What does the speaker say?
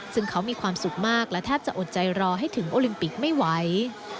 ซึ่งเขามีความสุขมากและแทบจะอดใจรอให้ถึงโอลิมปิกไม่ไหว